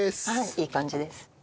はいいい感じです。